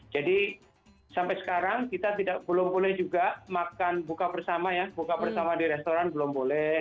jadi sampai sekarang kita belum boleh juga makan buka bersama ya buka bersama di restoran belum boleh